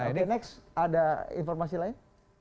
oke next ada informasi lain